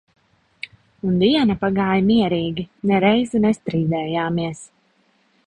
Un diena pagāja mierīgi, ne reizi nestrīdējāmies.